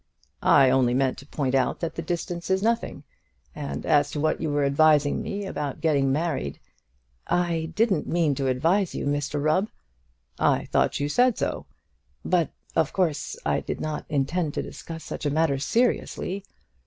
"I only meant to point out that the distance is nothing. And as to what you were advising me about getting married " "I didn't mean to advise you, Mr Rubb!" "I thought you said so." "But, of course, I did not intend to discuss such a matter seriously."